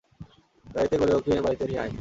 গাড়িতে করে ওকে বাড়িতে নিয়ে আয়।